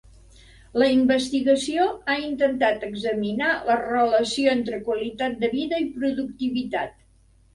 La investigació ha intentat examinar la relació entre qualitat de vida i productivitat.